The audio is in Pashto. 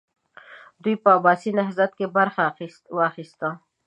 دوی په عباسي نهضت کې برخه واخیسته.